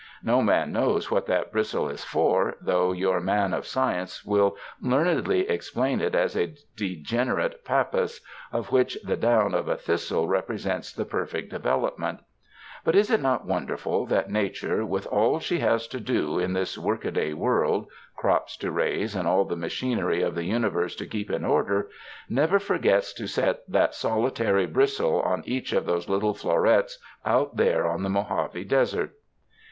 No man knows what that bristle is for, though your man of science will learnedly explain it as a degenerate pappus, of which the down of a thistle represents the perfect development; but is it not wonderful that Nature, with all she has to do in this workaday world — crops to raise and all the machinery of the universe to keep in order — never forgets to set that solitary bristle on each of those little florets out there on the Mojave Desert?